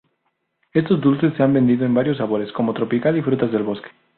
Estos dulces se han vendido en varios sabores, como tropical y frutas del bosque.